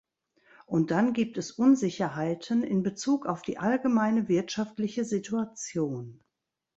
Und dann gibt es Unsicherheiten in Bezug auf die allgemeine wirtschaftliche Situation.